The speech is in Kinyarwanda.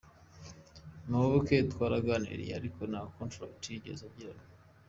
Muyoboke twaraganiriye ariko nta contract twigeze tugirana.